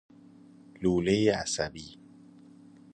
لوله عصبی